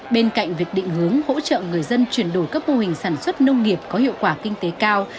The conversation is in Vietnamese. bên cạnh việc định hướng hỗ trợ người dân chuyển đổi các mô hình sản xuất nông nghiệp có hiệu quả kinh tế cao